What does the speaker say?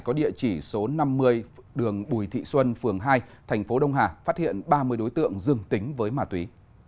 có địa chỉ số năm mươi đường bùi thị xuân phường hai thành phố đông hà phát hiện ba mươi đối tượng dừng tính với ma túy